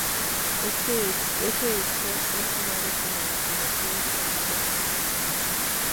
Ese hecho es tomado como la fundación de San Miguel del Monte.